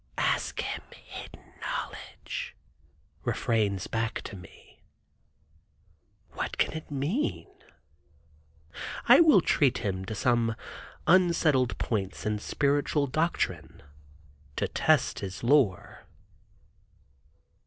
"Ask him hidden knowledge," refrains back to me. What can it mean? I will treat him to some unsettled points in spiritual doctrine to test his lore.